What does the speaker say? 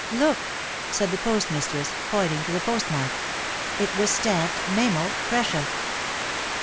"Look," said the post mistress, pointing to the post mark. It was stamped Memel, Prussia.